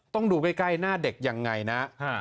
ต้องดูใกล้หน้าเด็กยังไงนะ